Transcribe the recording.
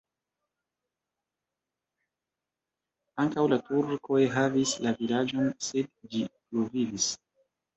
Ankaŭ la turkoj havis la vilaĝon, sed ĝi pluvivis.